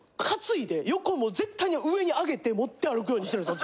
絶対に上にあげて持って歩くようにしてるんです。